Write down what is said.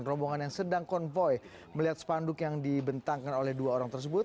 rombongan yang sedang konvoy melihat spanduk yang dibentangkan oleh dua orang tersebut